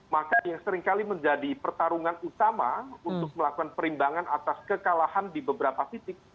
maka yang seringkali menjadi pertarungan utama untuk melakukan perimbangan atas kekalahan di beberapa titik